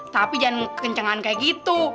tapi jangan kencengan kayak gitu